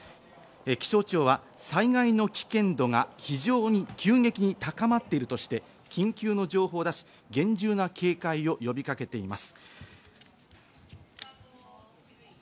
気象庁は災害の危険度が非常に急激に高まっているとして緊急の情報を出し、厳重な警戒を呼びかけています。